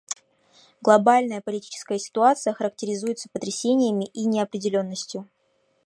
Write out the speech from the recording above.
Глобальная политическая ситуация характеризуется потрясениями и неопределенностью.